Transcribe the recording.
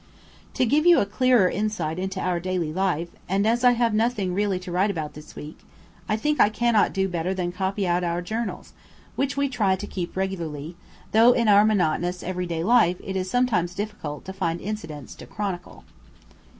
To give you a clearer insight into our daily life, and as I have nothing really to write about this week, I think I cannot do better than copy out our journals, which we try to keep regularly, though in our monotonous every day life it is sometimes difficult to find incidents to chronicle.